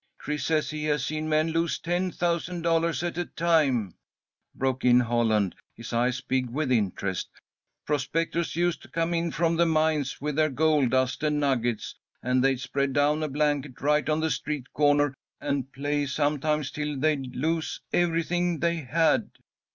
"Chris says that he has seen men lose ten thousand dollars at a time," broke in Holland, his eyes big with interest. "Prospectors used to come in from the mines with their gold dust and nuggets, and they'd spread down a blanket right on the street corner and play sometimes till they'd lose everything they had."